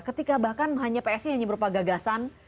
ketika bahkan hanya psi hanya berupa gagasan